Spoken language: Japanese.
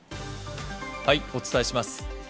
お伝えします。